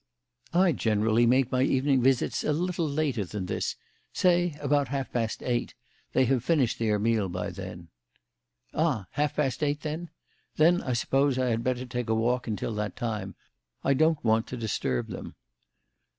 "I generally make my evening visits a little later than this say about half past eight; they have finished their meal by then." "Ah! half past eight, then? Then I suppose I had better take a walk until that time. I don't want to disturb them."